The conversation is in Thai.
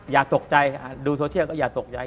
อย่าตกใจดูโซเชียลก็อย่าตกใจ